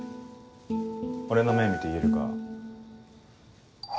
俺の目見て言えるか？